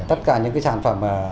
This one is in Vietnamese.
tất cả những cái sản phẩm